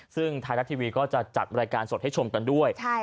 ซึ่งไทยรัฐทีวีก็จะจัดรายการสดให้ชมกันด้วย